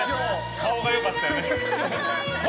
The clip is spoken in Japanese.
顔が良かったよね。